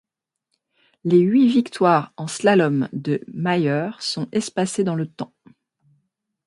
Les huit victoires en slalom de Myhrer sont espacées dans le temps.